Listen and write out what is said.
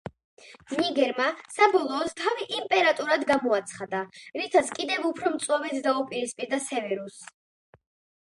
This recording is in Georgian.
ნიგერმა, საბოლოოდ, თავი იმპერატორად გამოაცხადა, რითაც კიდევ უფრო მწვავედ დაუპირისპირდა სევერუსს.